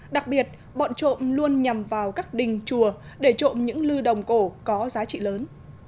đặc biệt bọn trộm luôn nhằm vào các đình chùa để trộm những lưu đồng cổ có giá trị lớn